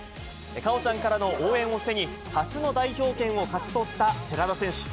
果緒ちゃんからの応援を背に、初の代表権を勝ち取った寺田選手。